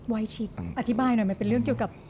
วายชิคอธิบายหน่อยมันเป็นเรื่องเกี่ยวกับ